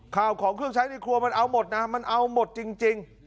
ข่าวของเครื่องใช้ในครัวมันเอาหมดนะมันเอาหมดจริง